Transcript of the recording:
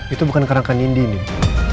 itu bukan kerangka nindi nih